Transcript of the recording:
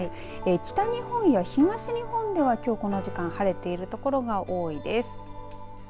北日本や東日本ではきょうこの時間晴れている所が多いです。